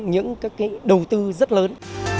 những các cái đầu tư rất lớn